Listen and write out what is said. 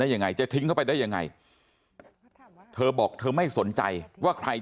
ยังไงจะทิ้งเข้าไปได้ยังไงเธอบอกเธอไม่สนใจว่าใคร